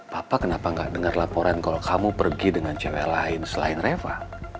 papa kenapa gak dengar laporan kalau kamu pergi dengan cewek lain selain reva